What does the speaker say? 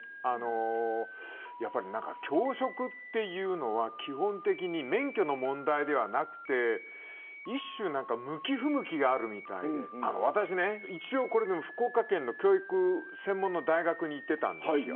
教職というのは基本的に免許の問題ではなくて一種、向き不向きがあるみたいで私はこれでも一応福岡県の教育専門の大学に行っていました。